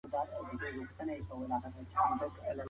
کېدای سي پلان ستونزي ولري.